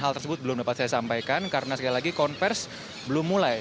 hal tersebut belum dapat saya sampaikan karena sekali lagi konversi belum mulai